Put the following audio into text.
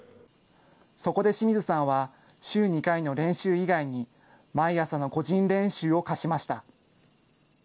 そこで清水さんは週２回の練習以外に、毎朝の個人練習を課しました。